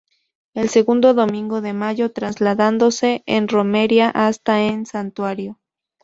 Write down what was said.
El segundo domingo de mayo, trasladándose en romería hasta el santuario.